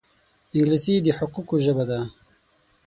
انګلیسي د حقوقو ژبه ده